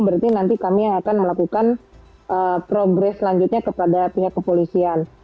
berarti nanti kami akan melakukan progres selanjutnya kepada pihak kepolisian